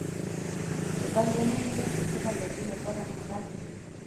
د بهرنیو مرستو څخه تر ټولو غوره هغه دي.